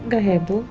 gak ya boh